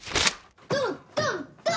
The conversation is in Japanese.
ドンドンドン！